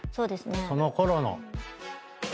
そのころの。